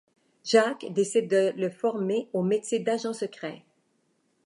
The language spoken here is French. Jack décide de le former au métier d'agent secret.